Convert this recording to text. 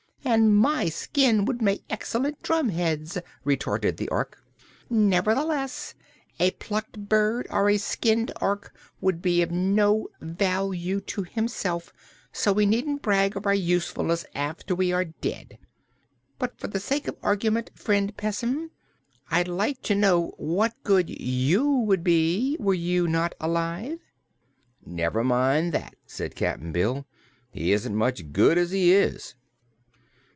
"And my skin would make excellent drumheads," retorted the Ork. "Nevertheless, a plucked bird or a skinned Ork would be of no value to himself, so we needn't brag of our usefulness after we are dead. But for the sake of argument, friend Pessim, I'd like to know what good you would be, were you not alive?" "Never mind that," said Cap'n Bill. "He isn't much good as he is."